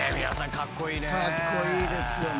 かっこいいですよね。